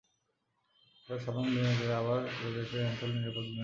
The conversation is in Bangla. এসব সাধারণ বিনিয়োগকারীকে আবার বাজারে ফিরিয়ে আনতে হলে নিরাপদ বিনিয়োগ পণ্য দরকার।